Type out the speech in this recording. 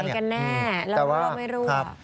คนไหนกันแน่เรารั่วไม่รั่ว